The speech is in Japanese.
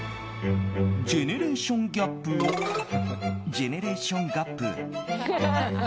ジェネレーションギャップをジェネレーションガップ。